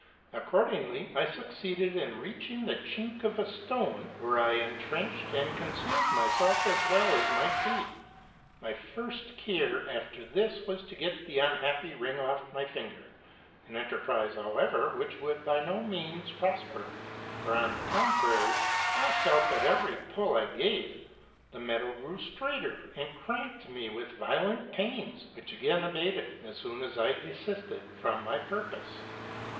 Accordingly, I succeeded in reaching the chink of a stone, where I intrenched and concealed my self as well as might be. My first care after this was to get the unhappy ring off my finger, ŌĆö an enterprise, however, which would by no means prosper ; for, on the contrary, I felt that every pull I gave, the metal grew straiter, and cramped me with violent pains, which again abated so soon as I desisted from my purpose.